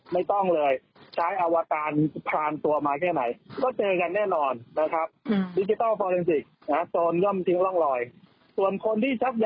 ไม่ต้องเลยใช้อวการพรานตัวมาแค่ไหนก็เจอกันแน่นอนนะครับ